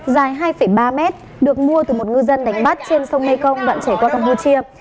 dài hai ba m được mua từ một ngư dân đánh bắt trên sông mekong đoạn trải qua campuchia